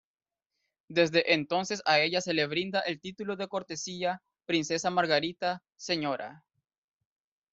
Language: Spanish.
Desde entonces a ella se le brinda el título de cortesía "Princesa Margarita, Sra.